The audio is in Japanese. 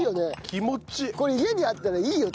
これ家にあったらいいよ